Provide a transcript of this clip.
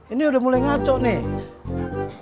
ini udah mulai ngaco nih